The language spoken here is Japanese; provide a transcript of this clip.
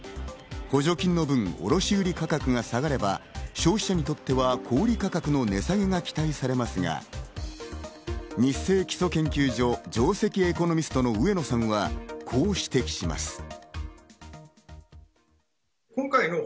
補助金の分、卸売価格が下がれば、消費者にとっては小売価格の値下げが期待されますが、ニッセイ基礎研究所、上席エコノミストの上野さんはこう指摘します。